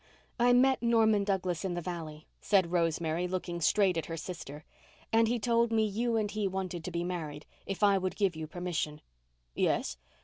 "I met Norman Douglas in the valley," said Rosemary, looking straight at her sister, "and he told me you and he wanted to be married—if I would give you permission." "Yes?